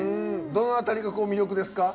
どの辺りが魅力ですか？